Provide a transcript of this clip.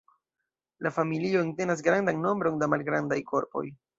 La familio entenas grandan nombron da malgrandaj korpoj.